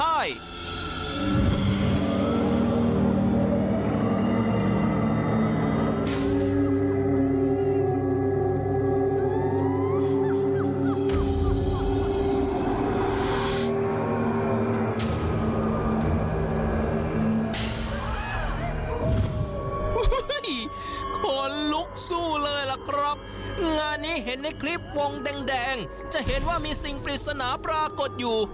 โอ้โหขนลุกขนลุกสู้เลยล่ะครับงานนี้เห็นในคลิปวงแดงแดงจะเห็นว่ามีสิ่งปริศนาปรากฏอยู่